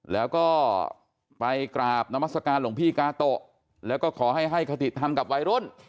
แล้วก็ไปกราบนามัศกาลหลวงพี่กาโตะแล้วก็ขอให้ให้คติธรรมกับวัยรุ่น